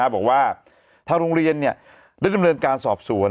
บอกว่าทางโรงเรียนได้ดำเนินการสอบสวน